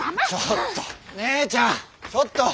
姉ちゃんちょっと！